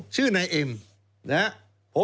ชื่อนายเอ็มนะครับ